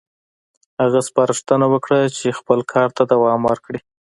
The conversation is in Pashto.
هغه سپارښتنه وکړه چې خپل کار ته دوام ورکړي.